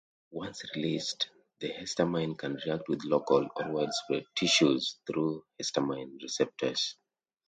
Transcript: Once released, the histamine can react with local or widespread tissues through histamine receptors.